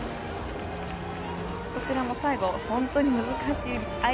こちらも最後本当に難しい。